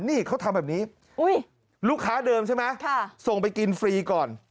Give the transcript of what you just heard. นี่เขาทำแบบนี้ลูกค้าเดิมใช่ไหมส่งไปกินฟรีก่อน